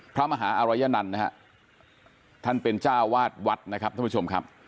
พระมหาอรยนันต์นะฮะท่านเป็นเจ้าวาดวัดนะครับท่านผู้ชมครับ